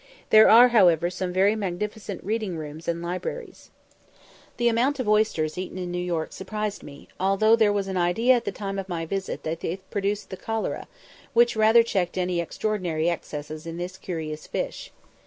There are however some very magnificent reading rooms and libraries. The amount of oysters eaten in New York surprised me, although there was an idea at the time of my visit that they produced the cholera, which rather checked any extraordinary excesses in this curious fish.